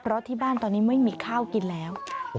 เพราะที่บ้านตอนนี้ไม่มีข้าวกินแล้ว